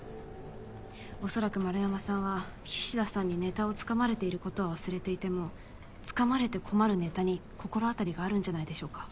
恐らく円山さんは菱田さんにネタを掴まれていることを忘れていても掴まれて困るネタに心当たりがあるんじゃないでしょうか。